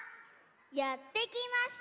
やってきました